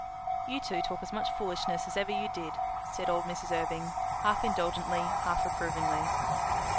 "You two talk as much foolishness as ever you did," said old Mrs. Irving, half indulgently, half reprovingly.